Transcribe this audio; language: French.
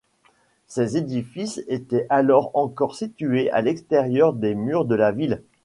Ces édifices étaient alors encore situés à l'extérieur des murs de la ville.